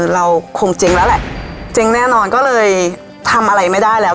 เราคงเจ๊งแล้วแหละเจ๊งแน่นอนก็เลยทำอะไรไม่ได้แล้ว